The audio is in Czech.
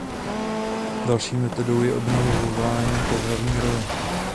Další metodou je obnovování pohlavní role.